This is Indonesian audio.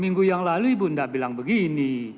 minggu yang lalu ibu ndak bilang begini